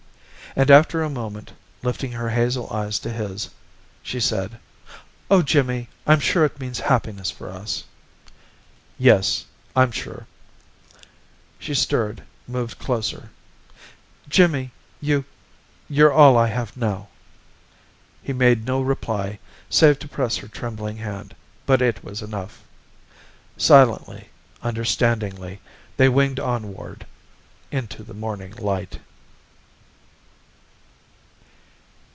And after a moment, lifting her hazel eyes to his, she said. "Oh, Jimmy, I'm sure it means happiness for us." "Yes, I'm sure!" She stirred, moved closer. "Jimmy, you you're all I have now." He made no reply, save to press her trembling hand. But it was enough. Silently, understandingly, they winged onward into the morning light.